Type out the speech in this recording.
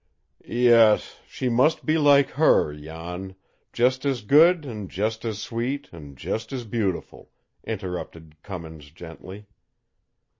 "Yes, she must be like HER, Jan just as good and just as sweet and just as beautiful," interrupted Cummins gently.